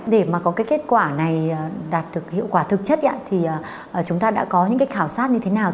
để mà có cái kết quả này đạt được hiệu quả thực chất thì chúng ta đã có những cái khảo sát như thế nào